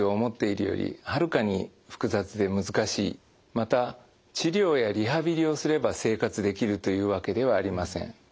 また治療やリハビリをすれば生活できるというわけではありません。